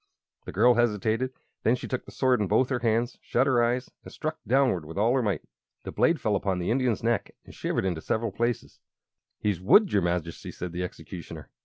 The girl hesitated. Then she took the sword in both her hands, shut her eyes, and struck downward with all her might. The blade fell upon the Indian's neck and shivered into several pieces. "He's wood, your Majesty," said the Executioner.